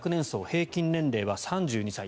平均年齢は３２歳。